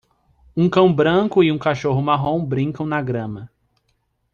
Um cão branco e um cachorro marrom brincam na grama